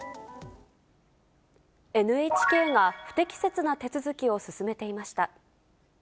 ＮＨＫが不適切な手続きを進めていました。